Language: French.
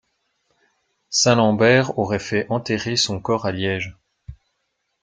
Saint Lambert aurait fait enterrer son corps à Liège.